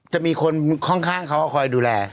จะมีคนข้างเขาคอยดูแล